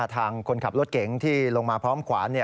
ทางคนขับรถเก๋งที่ลงมาพร้อมขวาน